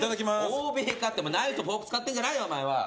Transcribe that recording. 欧米か！ってお前ナイフとフォーク使ってんじゃないよお前は。